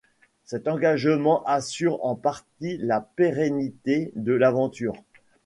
Cet engagement assure en partie la pérennité de l’aventure.